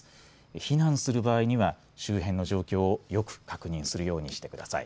避難する場合には周辺の状況をよく確認するようにしてください。